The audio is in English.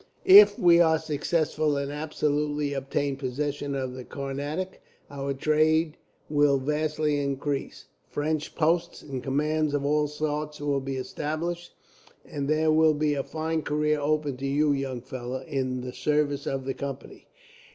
"If we are successful, and absolutely obtain possession of the Carnatic, our trade will vastly increase, fresh posts and commands of all sorts will be established, and there will be a fine career open to you young fellows, in the service of the Company."